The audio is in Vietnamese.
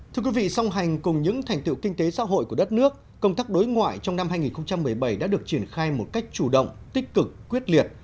thưa quý vị song hành cùng những thành tựu kinh tế xã hội của đất nước công tác đối ngoại trong năm hai nghìn một mươi bảy đã được triển khai một cách chủ động tích cực quyết liệt